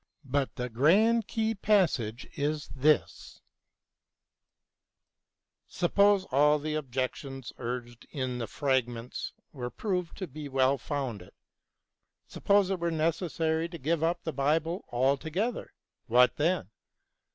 But the grand key passage is this : BROWNING AND LESSING 233 Suppose all the objections urged in the Fragments were proved to be well founded, suppose it were necessary to give up the Bible altogether, what then